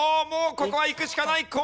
もうここはいくしかない。